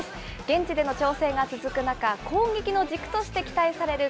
現地での調整が続く中、攻撃の軸として期待される